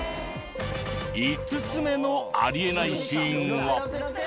５つ目のありえないシーンは。